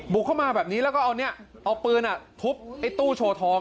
เข้ามาแบบนี้แล้วก็เอาเนี่ยเอาปืนทุบไอ้ตู้โชว์ทอง